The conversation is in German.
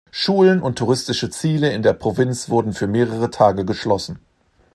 Schulen und touristische Ziele in der Provinz wurden für mehrere Tage geschlossen.